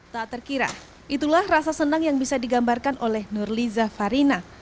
tak terkira itulah rasa senang yang bisa digambarkan oleh nurliza farina